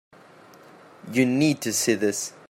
You need to see this.